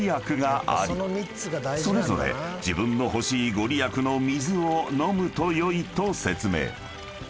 ［それぞれ自分の欲しいご利益の水を飲むと良いと説明］